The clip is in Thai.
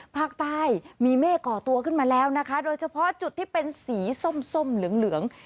ภาคใต้มีเมฆก่อตัวขึ้นมาแล้วนะคะโดยเฉพาะจุดที่เป็นสีส้มส้มเหลืองเหลือง